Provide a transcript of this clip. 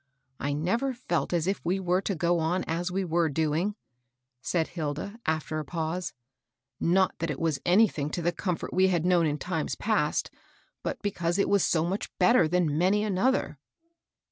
''I never felt as if we were to go on as we were doing," said Hilda, afi; er a pause. ^^ Not that it was anything to the comfort we had known in times past, but because it was so much better than many another."